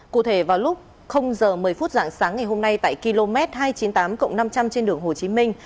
cụ thể vào lúc giờ một mươi phút dạng sáng ngày hôm nay tại km hai trăm chín mươi tám cộng năm trăm linh trên đường hồ chí minh